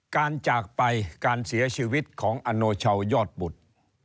การจากไปการเสียชีวิตของอโนชาวยอดบุตร